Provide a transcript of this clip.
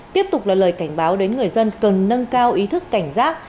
tiếp tục là lời cảnh báo đến người dân cần nâng cao ý thức cảnh giác